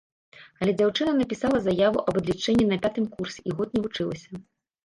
Але дзяўчына напісала заяву аб адлічэнні на пятым курсе і год не вучылася.